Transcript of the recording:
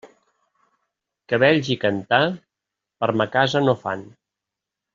Cabells i cantar, per ma casa no fan.